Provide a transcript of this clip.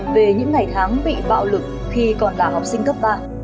về những ngày tháng bị bạo lực khi còn là học sinh cấp ba